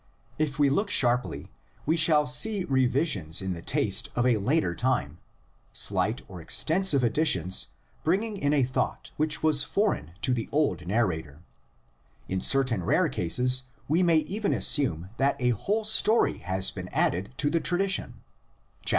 If we look sharply we shall see revisions in the taste of a later time, slight or extensive additions bring ing in a thought which was foreign to the old nar rator; in certain rare cases we may even assume that a whole story has been added to the tradition (chap.